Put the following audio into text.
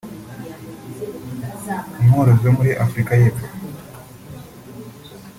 umworozi wo muri Afurika Yepfo